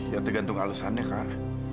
ya tergantung alasannya kak